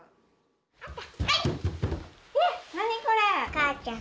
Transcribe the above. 母ちゃん。